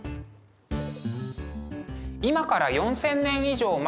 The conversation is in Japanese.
今から４，０００年以上前